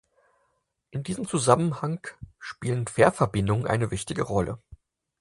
In diesem Zusammenhang spielen die Fährverbindungen eine wichtige Rolle.